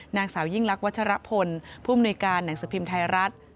นางสาวยิ่งลักษณวัชรพลผู้มนุยการหนังสือพิมพ์ไทยรัฐ